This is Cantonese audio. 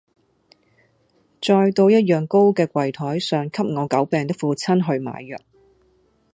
再到一樣高的櫃臺上給我久病的父親去買藥。